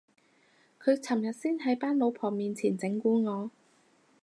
佢尋日先喺班老婆面前整蠱我